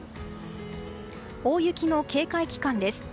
大雪の警戒期間です。